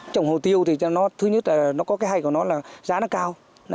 trồng hồ tiêu thì nó thứ nhất là nó có cái hay của nó là giá nó cao